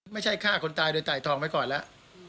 ไม่ใช่ฆ่าคนตายโดยไต่ทองไว้ก่อนแล้ว